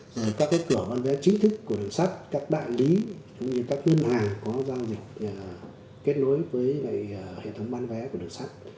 rồi các cái cửa bán vé chính thức của đường sắt các bạn lý cũng như các ngân hàng có giao dịch kết nối với hệ thống bán vé của đường sắt